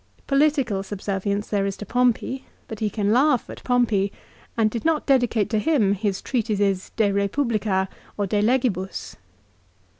Political subservience there is to Pompey ; but he can laugh at Pompey, and did not dedicate to him his treatises " De Eepublica," or " De Legibus."